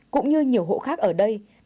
cũng như nhiều hộ khác ở đây